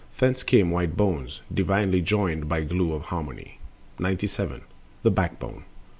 Thence came white bones, Divinely joined by glue of Harmony. 97. The back bone.